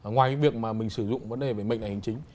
ngoài việc mà mình sử dụng vấn đề về mệnh hành chính